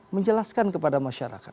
menjelaskan kepada masyarakat